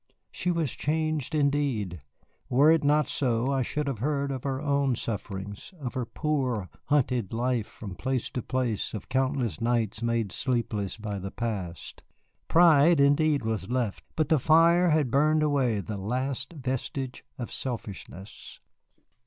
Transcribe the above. She was changed indeed. Were it not so I should have heard of her own sufferings, of her poor, hunted life from place to place, of countless nights made sleepless by the past. Pride indeed was left, but the fire had burned away the last vestige of selfishness.